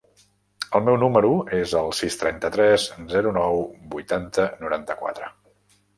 El meu número es el sis, trenta-tres, zero, nou, vuitanta, noranta-quatre.